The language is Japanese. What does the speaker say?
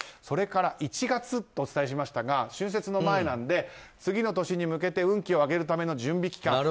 それから１月とお伝えしましたが春節の前なので次の年に向けて運気を上げるための準備期間。